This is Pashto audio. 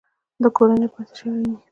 د کورنۍ لپاره څه شی اړین دی؟